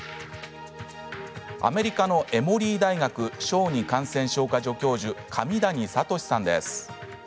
アメリカのエモリー大学小児感染症科、助教授紙谷聡さんです。